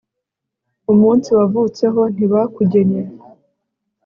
umunsi wavutseho ntibakugenye